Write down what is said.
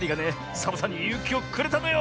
サボさんにゆうきをくれたのよ。